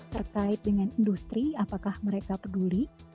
terkait dengan industri apakah mereka peduli